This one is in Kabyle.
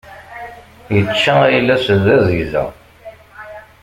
Ičča ayla-s d azegza.